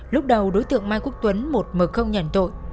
lúc đầu đối tượng mai quốc tuấn một m không nhận tội